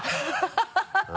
ハハハ